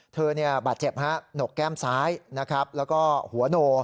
เธอบาดเจ็บหนกแก้มซ้ายและหัวโน